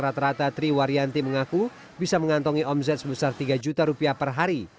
rata rata triwaryanti mengaku bisa mengantongi omzet sebesar rp tiga per hari